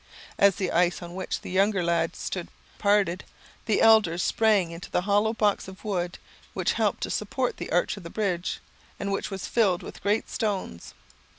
As the ice on which the younger lad stood parted, the elder sprang into the hollow box of wood which helped to support the arch of the bridge, and which was filled with great stones.